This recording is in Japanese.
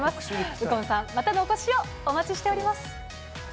右近さん、またのお越しをお待ちしております。